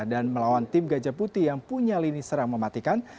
dan melawan tim gajah putih yang punya lini serang mematikan